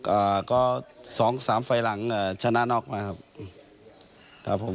อ่าก็๒๓ฝ่ายหลังเฉพาะชนะน็อกมาครับครับผม